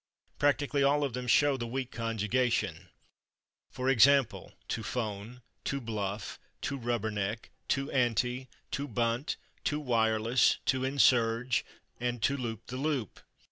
Practically all of them show the weak conjugation, for example, /to phone/, /to bluff/, /to rubber neck/, /to ante/, /to bunt/, /to wireless/, /to insurge/ and /to loop the loop